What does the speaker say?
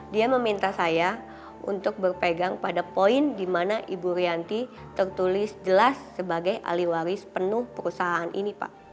dia meminta saya untuk berpegang pada poin di mana ibu rianti tertulis jelas sebagai ahli waris penuh perusahaan ini pak